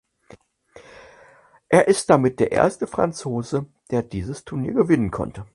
Er ist damit der erste Franzose der dieses Turnier gewinnen konnte.